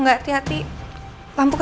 meskipun dirinya orang kelapa